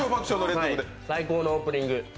最高のオープニング。